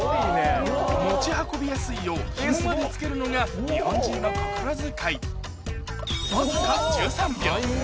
持ち運びやすいようひもまで付けるのが日本人の心遣いわずか１３秒